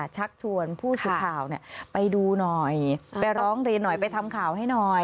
ชักชวนผู้สื่อข่าวไปดูหน่อยไปร้องเรียนหน่อยไปทำข่าวให้หน่อย